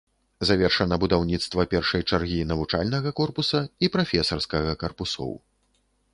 Завершана будаўніцтва першай чаргі навучальнага корпуса і прафесарскага карпусоў.